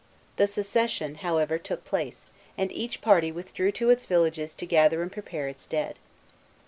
The secession, however, took place, and each party withdrew to its villages to gather and prepare its dead.